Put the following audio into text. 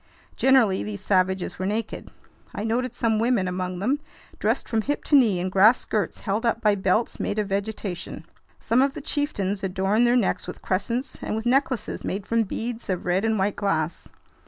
Generally these savages were naked. I noted some women among them, dressed from hip to knee in grass skirts held up by belts made of vegetation. Some of the chieftains adorned their necks with crescents and with necklaces made from beads of red and white glass.